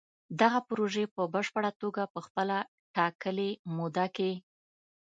دغه پروژې به په پشپړه توګه په خپله ټاکلې موده کې